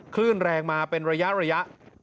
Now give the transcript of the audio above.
คลื่นแรงมาเป็นระยะ